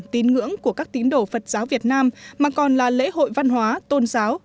tín ngưỡng của các tín đồ phật giáo việt nam mà còn là lễ hội văn hóa tôn giáo